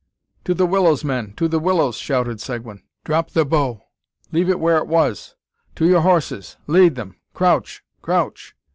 "To the willows, men! to the willows!" shouted Seguin. "Drop the bow! Leave it where it was. To your horses! Lead them! Crouch! crouch!"